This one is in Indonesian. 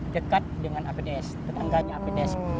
dekat dengan apds tetangganya apds